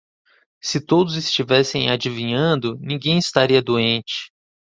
Se todos estivessem adivinhando, ninguém estaria doente.